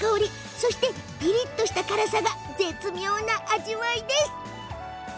そして、ピリっとした辛さが絶妙の味わい。